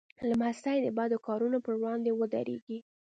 لمسی د بد کارونو پر وړاندې ودریږي.